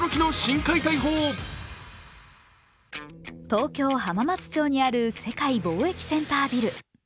東京・浜松町にある世界貿易センタービル。